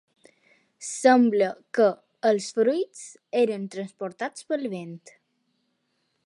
Sembla que els fruits eren transportats pel vent.